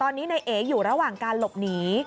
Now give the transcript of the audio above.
ตอนนี้นายเอ๋อยู่ระหว่างการหลบหนี